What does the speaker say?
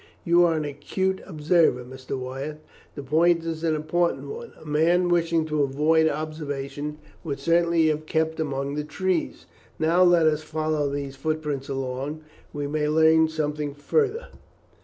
"You are an acute observer, Mr. Wyatt. The point is an important one. A man wishing to avoid observation would certainly have kept among the trees. Now, let us follow these footprints along; we may learn something further."